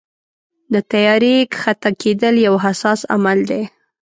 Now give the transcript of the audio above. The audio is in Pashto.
د طیارې کښته کېدل یو حساس عمل دی.